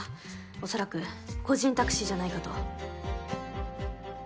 恐らく個人タクシーじゃないかと。